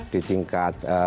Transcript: di tingkat kekeh